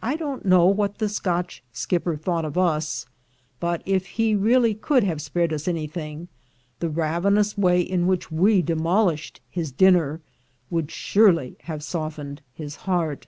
I don't know what the Scotch skipper thought of us, but if he really could have spared us anything, the ravenous way in which we demolished his dinner would surely have softened his heart.